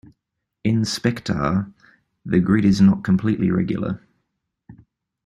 In Spectar, the grid is not completely regular.